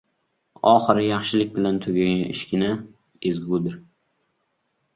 • Oxiri yaxshilik bilan tugagan ishgina ezgudir.